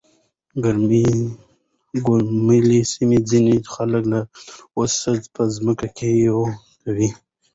د ګوملې سيمې ځينې خلک لا تر اوسه په ځمکو کې يوې کوي .